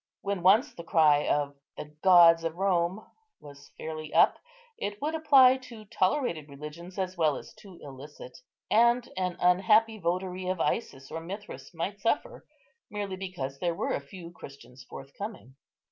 When once the cry of "the gods of Rome" was fairly up, it would apply to tolerated religions as well as to illicit, and an unhappy votary of Isis or Mithras might suffer, merely because there were few Christians forthcoming.